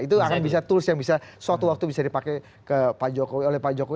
itu akan bisa tools yang bisa suatu waktu bisa dipakai ke pak jokowi oleh pak jokowi